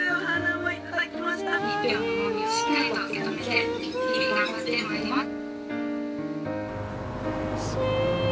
１票の重みをしっかりと受け止めて日々頑張ってまいります。